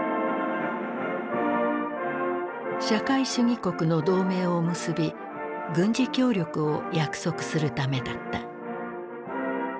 社会主義国の同盟を結び軍事協力を約束するためだった。